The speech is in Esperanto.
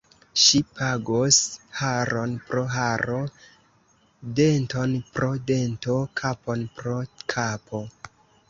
Ŝi pagos haron pro haro, denton pro dento, kapon pro kapo.